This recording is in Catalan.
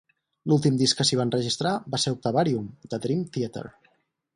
L'últim disc que s'hi va enregistrar va ser "Octavarium" de Dream Theatre.